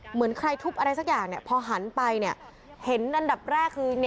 เหมือนใครทุบอะไรสักอย่างพอหันไปเห็นอันดับแรกคือ